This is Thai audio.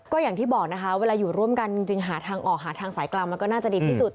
ก็อย่างที่บอกนะคะเวลาอยู่ร่วมกันจริงหาทางออกหาทางสายกลางมันก็น่าจะดีที่สุด